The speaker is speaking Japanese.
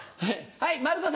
はい。